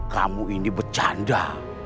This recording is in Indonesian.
kamu ini bercanda